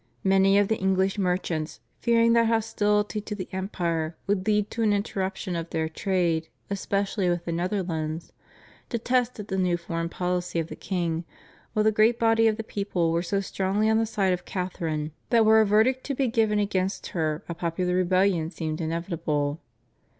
Many of the English merchants, fearing that hostility to the empire would lead to an interruption of their trade especially with the Netherlands, detested the new foreign policy of the king, while the great body of the people were so strongly on the side of Catharine that were a verdict to be given against her a popular rebellion seemed inevitable.